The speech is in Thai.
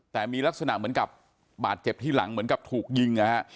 แต่มีลักษณะเหมือนกับบาดเจ็บที่หลังเหมือนกับถูกยิงนะฮะ